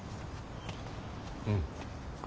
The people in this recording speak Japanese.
うん。